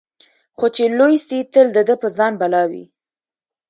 خو چي لوی سي تل د ده په ځان بلاوي